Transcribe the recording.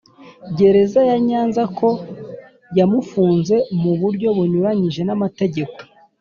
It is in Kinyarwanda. Gereza ya Nyanza ko yamufunze mu buryo bunyuranyije n amategeko